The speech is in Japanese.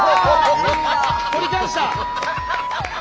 取り返した！